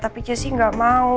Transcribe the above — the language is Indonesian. tapi jessy gak mau